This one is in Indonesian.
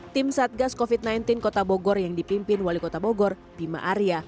tim satgas covid sembilan belas kota bogor yang dipimpin wali kota bogor bima arya